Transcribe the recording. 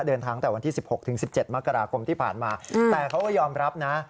ตั้งแต่วันที่๑๖ถึง๑๗มกราคมที่ผ่านมาแต่เขาก็ยอมรับนะ